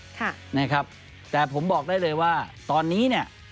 ค่ะนะครับแต่ผมบอกได้เลยว่าตอนนี้เนี่ย